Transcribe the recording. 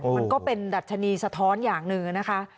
มันก็เป็นดัชนีสะท้อนอย่างหนึ่งนะคะ